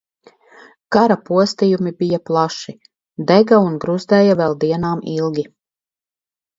Kara postījumi bija plaši, dega un gruzdēja vēl dienām ilgi.